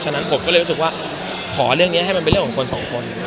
ฉะนั้นผมก็เลยรู้สึกว่าขอเรื่องนี้ให้มันเป็นเรื่องของคนสองคน